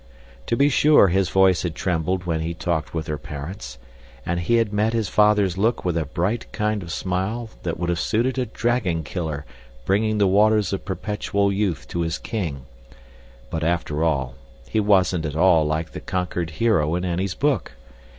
To be sure, his voice had trembled when he talked with her parents, and he had met his father's look with a bright kind of smile that would have suited a dragon killer bringing the waters of perpetual youth to his king, but after all, he wasn't at all like the conquered hero in Annie's book.